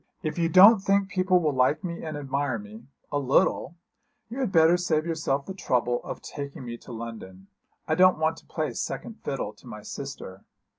'If you don't think people will like me and admire me a little you had better save yourself the trouble of taking me to London. I don't want to play second fiddle to my sister.'